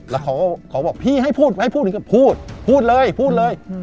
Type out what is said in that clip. แล้วเขาบอกพี่ให้พูดไหมพูดถึงก็พูดพูดเลยพูดเลย